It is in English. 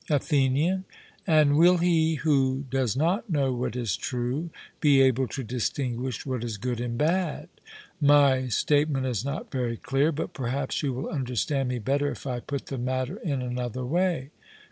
ATHENIAN: And will he who does not know what is true be able to distinguish what is good and bad? My statement is not very clear; but perhaps you will understand me better if I put the matter in another way.